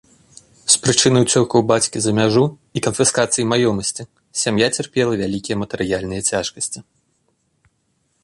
З прычыны ўцёкаў бацькі за мяжу і канфіскацыі маёмасці сям'я цярпела вялікія матэрыяльныя цяжкасці.